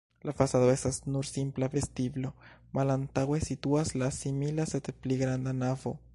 La fasado estas nur simpla vestiblo, malantaŭe situas la simila, sed pli granda navo.